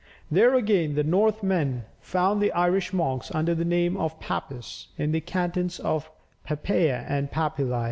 There again the Northmen found the Irish monks under the name of Papis, in the cantons of Papeya and Papili.